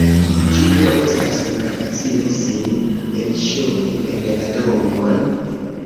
Ĉu do estas malfacile sin enŝovi en la domon?